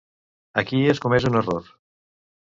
Aquí has comès un error.